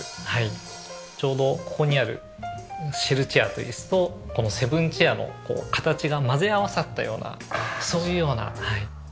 ちょうどここにあるシェルチェアという椅子とこのセブンチェアの形が混ぜ合わさったようなそういうような。